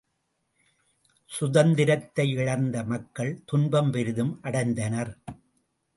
சுதந்திரத்தை இழந்த மக்கள் துன்பம் பெரிதும் அடைந்தனர்.